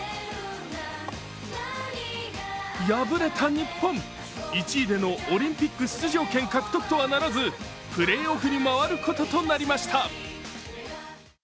敗れた日本、１位でのオリンピック出場権獲得とはならず、プレーオフに回ることとなりました。